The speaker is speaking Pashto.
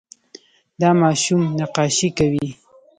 دا ماشوم نقاشي کوي.